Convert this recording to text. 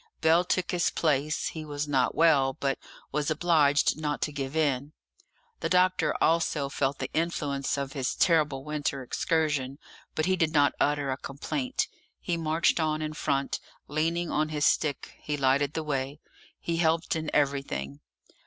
Bell took his place; he was not well, but was obliged not to give in. The doctor also felt the influence of his terrible winter excursion, but he did not utter a complaint; he marched on in front, leaning on his stick; he lighted the way; he helped in everything.